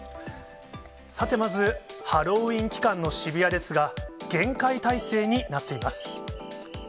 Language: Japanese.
さて、まずハロウィーン期間の渋谷ですが、厳戒態勢になっています。